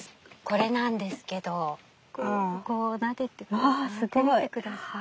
これなんですけどこうなでてみて下さい。